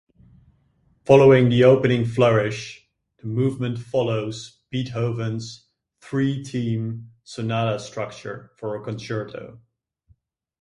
Following the opening flourish, the movement follows Beethoven's three-theme sonata structure for a concerto.